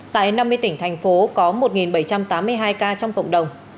tại năm mươi tỉnh thành phố có một bảy trăm tám mươi hai ca trong cộng đồng